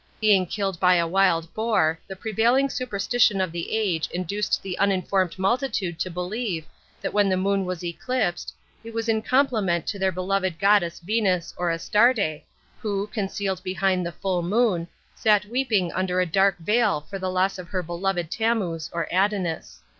Being killed by a wild boar, the prevailing superstition of the age induced the uninformed multitude to believe that when the Moon was eclipsed, it was in complement to their beloved goddess Venus or Astarte, who, concealed behind the full Moon, sat weeping under a dark veil for the loss of her beloved Tammuz or Adonis."